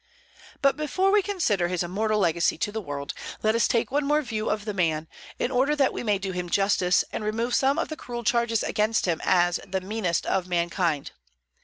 But before we consider his immortal legacy to the world, let us take one more view of the man, in order that we may do him justice, and remove some of the cruel charges against him as "the meanest of mankind."